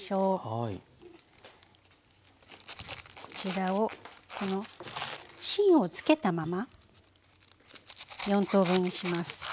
こちらをこの芯をつけたまま４等分にします。